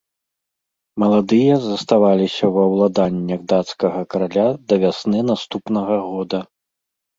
Маладыя заставаліся ва ўладаннях дацкага караля да вясны наступнага года.